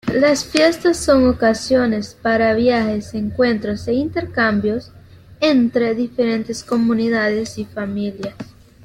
Las fiestas son ocasiones para viajes, encuentros e intercambios, entre diferentes comunidades y familias.